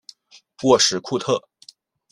沃什库特。